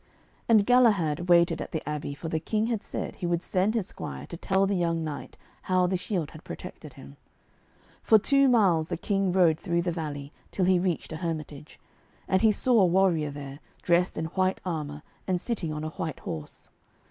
And Galahad waited at the abbey, for the King had said he would send his squire to tell the young knight how the shield had protected him. For two miles the King rode through the valley, till he reached a hermitage. And he saw a warrior there, dressed in white armour, and sitting on a white horse.